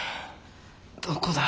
どこだ？